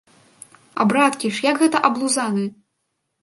А браткі ж, як гэта аблузаны?